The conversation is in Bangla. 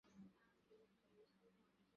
অধিক সময় নাই মহারাজ, আজ আমি তবে বিদায় হই।